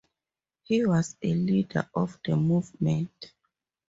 He was a leader of the movement.